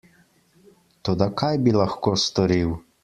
Toda kaj bi lahko storil?